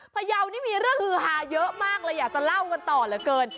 พยาวนี่มีเรื่องฮือฮาเยอะมากเลยอยากจะเล่ากันต่อเหลือเกิน